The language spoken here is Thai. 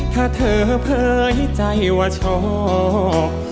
ถ้าเธอเผยใจว่าชอบ